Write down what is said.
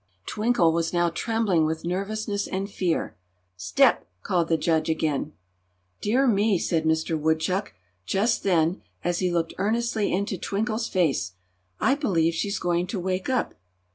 Twinkle was now trembling with nervousness and fear. "Step!" called the judge, again. "Dear me!" said Mister Woodchuck, just then, as he looked earnestly into Twinkle's face, "I believe she's going to wake up!"